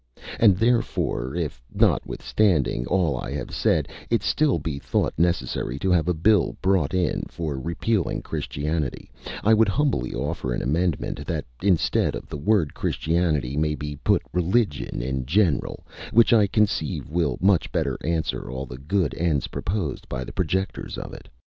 And therefore, if, notwithstanding all I have said, it still be thought necessary to have a Bill brought in for repealing Christianity, I would humbly offer an amendment, that instead of the word Christianity may be put religion in general, which I conceive will much better answer all the good ends proposed by the projectors of it.